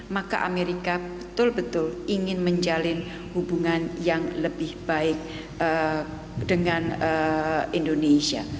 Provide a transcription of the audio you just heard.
maka amerika betul betul ingin menjalin hubungan yang lebih baik dengan indonesia